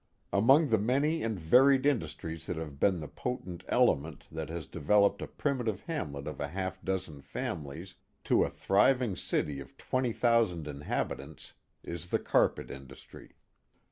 Among the many and varied industries that have been the potent element that has developed a primitive hamlet of a half dozen families to a thriving city of 20,000 inhabitants, is the carpet industry.